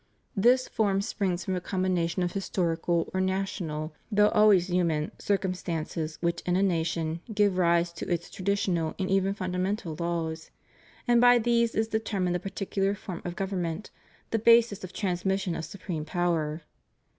This form springs from a combination of historical or national, though always human, circumstances which, in a nation, give rise to its traditional and even fundamental laws, and by these is determined the particular form of government, the basis of transmission of supreme power.